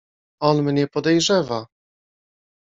"On mnie podejrzewa."